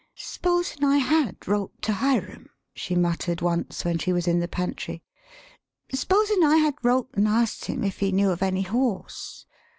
]" S'posin' I had wrote to Hiram," she muttered once when she was in the pantry. "S'posin' I had wrote an' asked him if he knew of any horse?